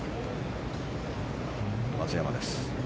松山です。